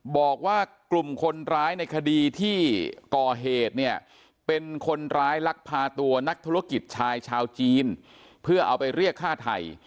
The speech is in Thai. บอกว่ากลุ่มคนร้ายในคดีที่ก่อเหตุเนี่ยเป็นคนร้ายลักพาตัวนักธุรกิจชายชาวจีนเพื่อเอาไปเรียกฆ่าไทย